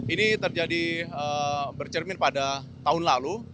ini terjadi bercermin pada tahun lalu